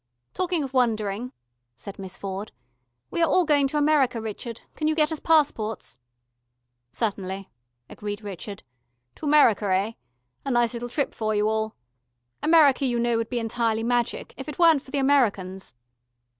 "Talking of wandering," said Miss Ford. "We are all going to America, Richard. Can you get us passports?" "Certainly," agreed Richard. "To America, eh? A nice little trip for you all. America, you know, would be entirely magic, if it weren't for the Americans...."